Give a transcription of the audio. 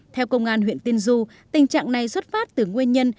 theo công an huyện tiên du tình trạng này xuất phát từ nguyên nhân